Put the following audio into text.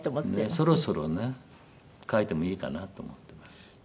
そろそろね書いてもいいかなと思ってます。